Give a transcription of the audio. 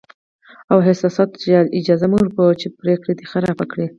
او احساساتو ته اجازه مه ورکوه چې پرېکړې دې خرابې کړي.